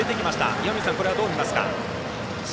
岩水さん、どう見ますか？